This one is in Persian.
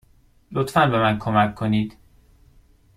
لطفا به من کمک کنید.